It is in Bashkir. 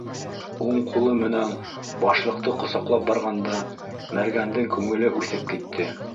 Уң ҡулы менән Башлыҡты ҡосаҡлап барғанда, мәргәндең күңеле үҫеп китте.